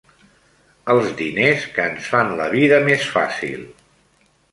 Els diners que ens fan la vida més fàcil.